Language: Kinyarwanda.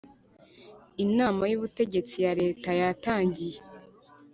Inama y Ubutegetsi ya leta yatangiye